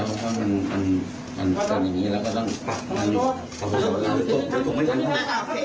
ก็มันก็คืออะไรแล้วว่ามันกันอย่างนี้แล้วก็ต้องพักมัน